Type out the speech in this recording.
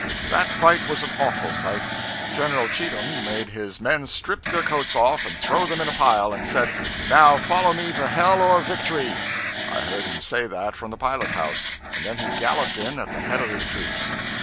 That fight was an awful sight. General Cheatham made his men strip their coats off and throw them in a pile, and said, 'Now follow me to hell or victory!' I heard him say that from the pilot house; and then he galloped in, at the head of his troops.